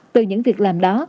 từ những việc làm đó